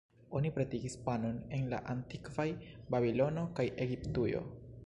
Oni pretigis panon en la antikvaj Babilono kaj Egiptujo.